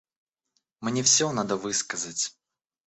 Мне все надо высказать.